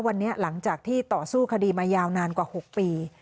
วันนี้หลังจากที่ต่อสู้คดีมายาวนานกว่า๖ปี